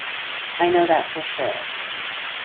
I know that for sure.